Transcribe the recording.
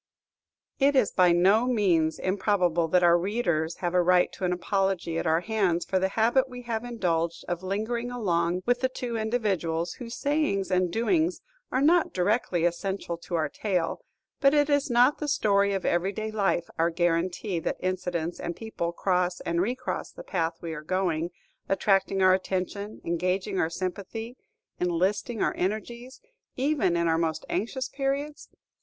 It is by no means improbable that our readers have a right to an apology at our hands for the habit we have indulged of lingering along with the two individuals whose sayings and doings are not directly essential to our tale; but is not the story of every day life our guarantee that incidents and people cross and re cross the path we are going, attracting our attention, engaging our sympathy, enlisting our energies, even in our most anxious periods?